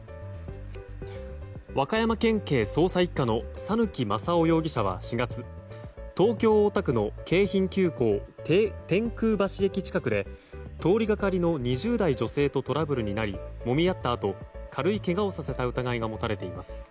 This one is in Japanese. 和歌山県警捜査１課の讃岐真生容疑者は４月、東京・大田区の京浜急行天空橋駅近くで通りがかりの２０代女性とトラブルになりもみ合ったあと軽いけがをさせた疑いが持たれています。